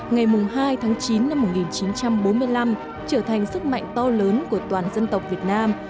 ngày hai tháng chín năm một nghìn chín trăm bốn mươi năm trở thành sức mạnh to lớn của toàn dân tộc việt nam